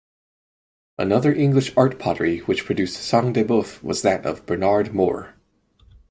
Another English art pottery which produced sang de boeuf was that of Bernard Moore.